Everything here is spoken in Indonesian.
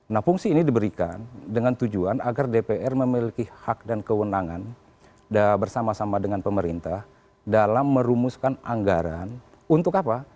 nah fungsi ini diberikan dengan tujuan agar dpr memiliki hak dan kewenangan bersama sama dengan pemerintah dalam merumuskan anggaran untuk apa